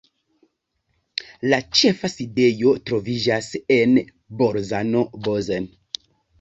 La ĉefa sidejo troviĝas en Bolzano-Bozen.